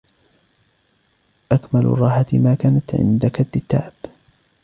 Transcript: أَكْمَلُ الرَّاحَةِ مَا كَانَتْ عَنْ كَدِّ التَّعَبِ